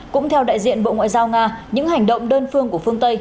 cũng theo đại diện bộ ngoại giao nga những hành động đơn phương của phương tây